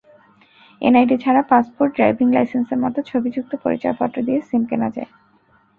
NID ছাড়া passport, driving লাইসেন্সের মতো ছবিযুক্ত পরিচয়পত্র দিয়ে সিম কেনা যায়।